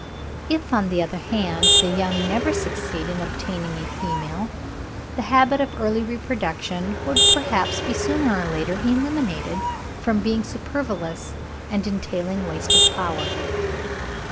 If, on the other hand, the young never succeeded in obtaining a female, the habit of early reproduction would perhaps be sooner or later eliminated, from being superfluous and entailing waste of power.